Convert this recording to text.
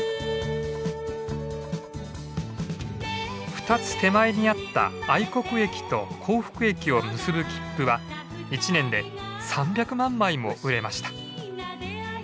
２つ手前にあった愛国駅と幸福駅を結ぶ切符は１年で３００万枚も売れました。